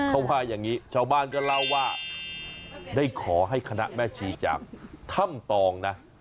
เขาว่าอย่างนี้ชาวบ้านก็เล่าว่าได้ขอให้คณะแม่ชีจากถ้ำตองนะ